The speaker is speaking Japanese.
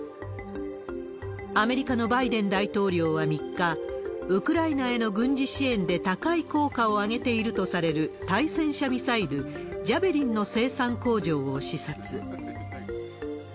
アメリカのバイデン大統領は３日、ウクライナへの軍事支援で高い効果を上げているとされる対戦車ミサイル、ジャベリンの生産工場を視察。